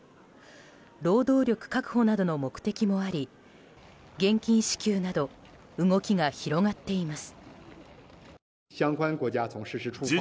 労働力確保などの目的もあり現金支給など動きが広がっています。